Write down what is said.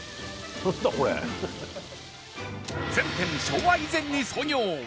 全店昭和以前に創業